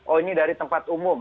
oh ini dari tempat umum